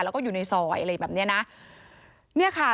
แล้วก็อยู่ในซอยอะไรแบบนี้นะ